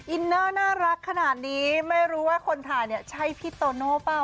อินเนอร์น่ารักขนาดนี้ไม่รู้ว่าคนถ่ายเนี่ยใช่พี่โตโน่เปล่า